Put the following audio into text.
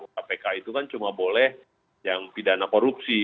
kpk itu kan cuma boleh yang pidana korupsi